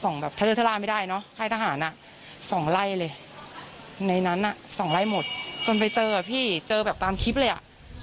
ในนั้นน่ะ๒ไร่หมดจนไปเจออ่ะพี่เจอแบบตามคลิปเลยอ่ะ